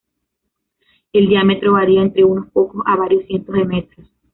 El diámetro varía entre unos pocos a varios cientos de metros.